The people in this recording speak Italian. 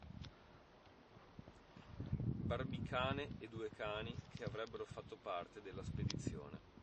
Barbicane e due cani che avrebbero fatto parte della spedizione